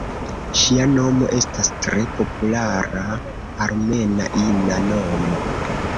Ŝia nomo estas tre populara armena ina nomo.